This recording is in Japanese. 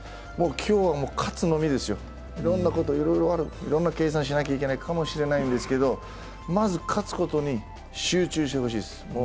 今日は勝つのみですよ、いろいろな計算しなきゃいけないかもしれないですけど、まず勝つことに集中してほしいです。